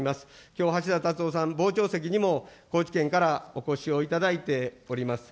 きょう、橋田達夫さん、傍聴席にも、高知県からお越しをいただいております。